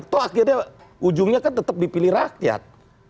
itu akhirnya ujungnya kan tetap dipilih rakyat